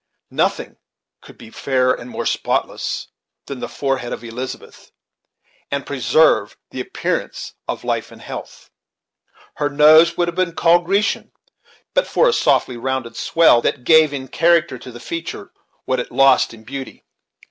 Nothing could be fairer and more spotless than the forehead of Elizabeth, and preserve the appearance of life and health. Her nose would have been called Grecian, but for a softly rounded swell, that gave in character to the feature what it lost in beauty.